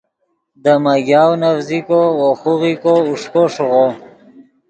دے میگاؤ نیڤزیکو وو خوغیکو اوݰکو ݰیغو